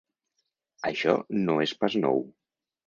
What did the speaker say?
Això no és pas nou.